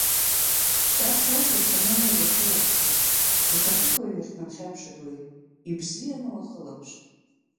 Кац уоуп иахьа аномер иахылаԥшуа ихаҭыԥуаҩ иахь дынхьаԥшит уи, ибзиан уахылаԥш.